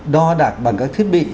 đo đạt bằng các thiết bị